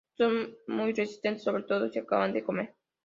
Son muy resistentes, sobre todo si acaban de comer.